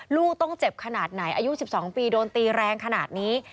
ลูกต้องเจ็บขนาดไหนอายุ๑๒ปีโดนตีแรงขนาดนี้